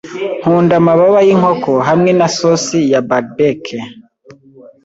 Nkunda amababa yinkoko hamwe na sosi ya barbeque.